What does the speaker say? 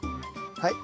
はい。